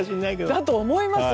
だと思います。